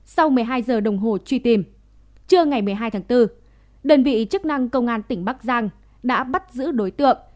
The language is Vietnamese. sau một mươi hai giờ đồng hồ truy tìm trưa ngày một mươi hai tháng bốn đơn vị chức năng công an tỉnh bắc giang đã bắt giữ đối tượng